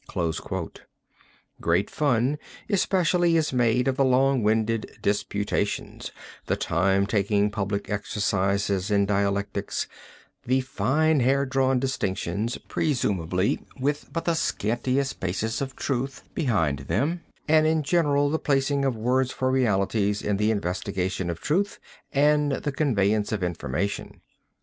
Great fun especially is made of the long winded disputations, the time taking public exercises in dialectics, the fine hair drawn distinctions presumably with but the scantiest basis of truth behind them and in general the placing of words for realities in the investigation of truth and the conveyance of information.